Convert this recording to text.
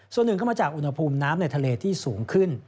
ส่วนหนึ่งก็มาจากอุณหภูมิน้ำในทะเลที่สูงขึ้น